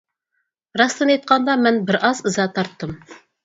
راستىنى ئېيتقاندا مەن بىر ئاز ئىزا تارتتىم.